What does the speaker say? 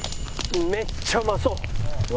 めっちゃうまそう！